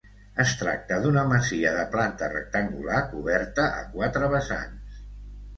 Es tracta d'una masia de planta rectangular coberta a quatre vessants.